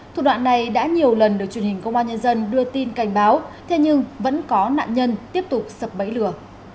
thủ đoạn này đã nhiều lần được truyền hình công an nhân dân đưa tin cảnh báo thế nhưng vẫn có nạn nhân tiếp tục sập bẫy lừa